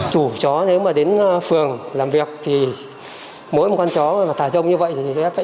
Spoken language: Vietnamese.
chủ chó nếu mà đến phường làm việc thì mỗi một con chó thả rông như vậy thì sẽ phải bị phạt